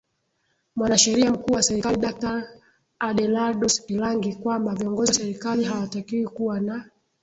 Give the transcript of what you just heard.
Mwanasheria Mkuu wa Serikali Daktari Adelardus Kilangi kwamba viongozi wa serikali hawatakiwi kuwa na